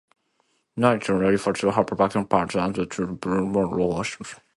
Nanci refers to her backing band as The Blue Moon Orchestra.